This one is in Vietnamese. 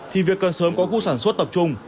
thì việc cần sớm có khu sản xuất tập trung